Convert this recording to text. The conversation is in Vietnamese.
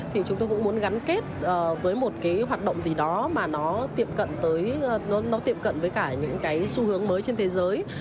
thì chúng tôi cũng muốn gắn kết với một hoạt động gì đó mà nó tiệm cận với cả những xu hướng mới trên thế giới